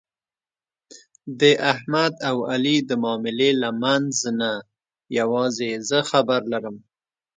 د احمد او علي د معاملې له منځ نه یووازې زه خبر لرم.